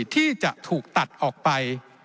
ที่จะถูกตัดออกไป